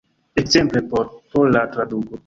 Ekzemple por pola traduko.